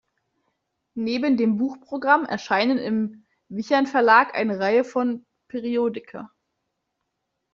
Neben dem Buchprogramm erscheinen im Wichern-Verlag eine Reihe von Periodika.